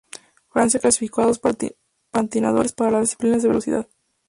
Francia clasificó a dos patinadores para las disciplinas de velocidad.